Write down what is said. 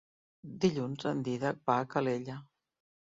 Dilluns en Dídac va a Calella.